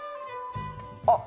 あっ